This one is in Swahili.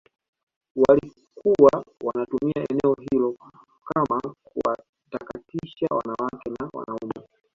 walikuwa wanatumia eneo hilo kama kuwatakatisha wanawake na wanaume